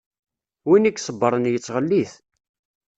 Win i iṣebbṛen yettɣellit.